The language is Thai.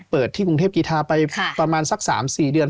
เปิดที่กรุงเทพกีธาไปประมาณสัก๓๔เดือน